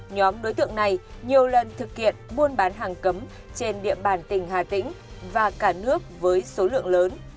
nhóm đối tượng này nhiều lần thực hiện buôn bán hàng cấm trên địa bàn tỉnh hà tĩnh và cả nước với số lượng lớn